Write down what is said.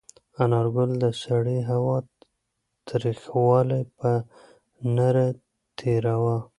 انارګل د سړې هوا تریخوالی په نره تېراوه.